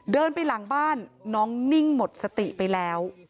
เดินไปหลังบ้านน้องนิ่งหมดสติไปแล้ว